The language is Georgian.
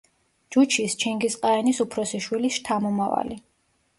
ჯუჩის, ჩინგიზ-ყაენის უფროსი შვილის, შთამომავალი.